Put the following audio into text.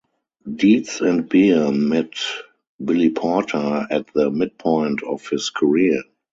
Dietz and Beer met Billy Porter at the midpoint of his career.